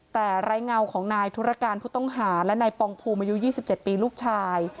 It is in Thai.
แต่ไร้เงาของนายธุรการผู้ต้องหาและนายปองภูมิอายุ๒๗ปีลูกชาย